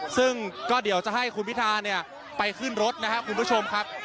ซึ่งก็เดี๋ยวจะให้คุณพิธาเนี่ยไปขึ้นรถนะครับคุณผู้ชมครับ